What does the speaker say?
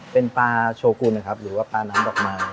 เป็นปลาโชกุลนะครับหรือว่าปลาน้ำดอกไม้